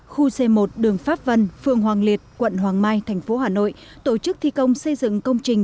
khu c một đường pháp vân phường hoàng liệt quận hoàng mai thành phố hà nội tổ chức thi công xây dựng công trình